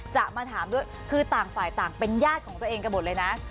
จะมาถามด้วยคือต่างฝ่ายต่างเป็นญาติของตัวเองกันหมดเลยนะ